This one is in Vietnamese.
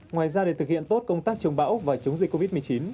ngoài ra để thực hiện tốt công tác chống bão và chống dịch covid một mươi chín